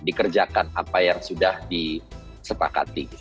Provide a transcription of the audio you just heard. dikerjakan apa yang sudah disepakati